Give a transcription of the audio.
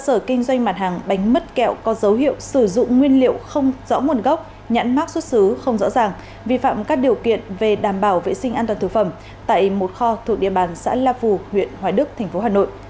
cơ sở kinh doanh mặt hàng bánh mứt kẹo có dấu hiệu sử dụng nguyên liệu không rõ nguồn gốc nhãn mát xuất xứ không rõ ràng vi phạm các điều kiện về đảm bảo vệ sinh an toàn thực phẩm tại một kho thuộc địa bàn xã la phù huyện hoài đức tp hà nội